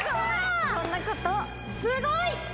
すごい！